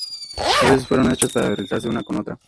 A veces fueron hechas para deslizarse una con la otra.